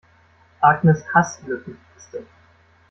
Agnes hasst Lückentexte.